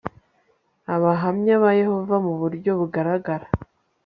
abahamya ba yehova mu buryo bugaragara